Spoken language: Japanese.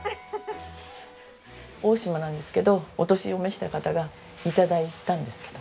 大島なんですけどお年を召した方から頂いたんですけど。